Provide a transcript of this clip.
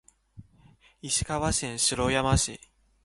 石川県白山市